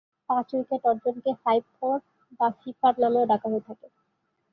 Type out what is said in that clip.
পাঁচ-উইকেট অর্জনকে "five-for" বা "ফিফার" নামেও ডাকা হয়ে থাকে।